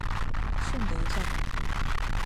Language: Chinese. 顺德站